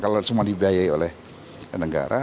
kalau semua dibiayai oleh negara